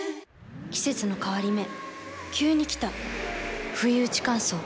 季節の変わり目急に来たふいうち乾燥。